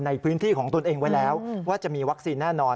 ในพื้นที่ของตนเองไว้แล้วว่าจะมีวัคซีนแน่นอน